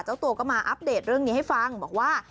เจ้าตัวก็มาอัปเดตเรื่องนี้ให้ฟังบอกว่า